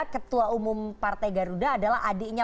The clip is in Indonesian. ketua umum partai garuda adalah adiknya